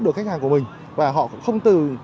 được khách hàng của mình và họ không từ